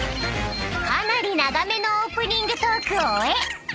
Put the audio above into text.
［かなり長めのオープニングトークを終え］